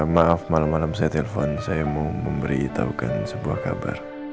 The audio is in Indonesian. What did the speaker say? maaf malam malam saya telpon saya mau memberi tahukan sebuah kabar